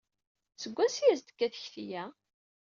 Seg wansi ay as-tekka tekti-a?